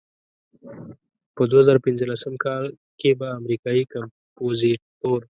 په دوه زره پنځلسم کال کې به امریکایي کمپوزیتور.